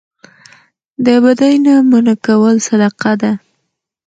د بدۍ نه منع کول صدقه ده